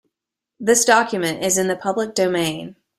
This document is in the public domain.